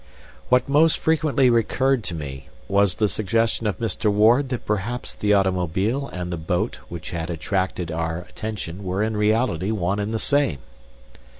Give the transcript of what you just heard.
What most frequently recurred to me was the suggestion of Mr. Ward that perhaps the automobile and the boat which had attracted our attention were in reality one and the same.